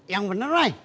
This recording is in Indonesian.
yang bener mai